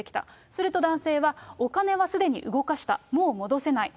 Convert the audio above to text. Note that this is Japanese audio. すると男性は、お金はすでに動かした、もう戻せない。